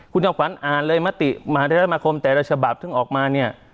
คุณจอมขวัญอ่านเลยมติมหาธรรมคมแต่ละฉบับซึ่งออกมาเนี่ย